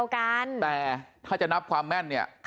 แต่ถ้าจะนับความแม่นเนี่ย